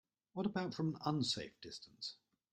What about from an unsafe distance?